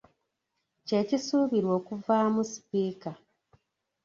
Kye kisuubirwa okuvaamu sipiika.